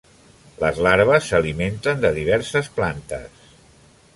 Les larves s'alimenten de diverses plantes.